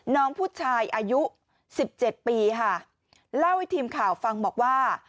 น้องผู้ชายอายุสิบเจ็ดปีค่ะเล่าให้ทีมข่าวฟังบอกว่า